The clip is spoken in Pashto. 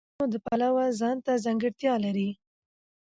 افغانستان د سیندونه د پلوه ځانته ځانګړتیا لري.